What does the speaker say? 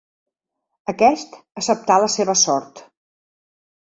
Aquest acceptà la seva sort.